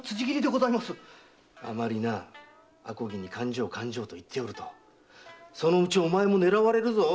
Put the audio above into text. あまりあこぎに「勘定勘定」と言っておるとそのうちお前も狙われるぞ！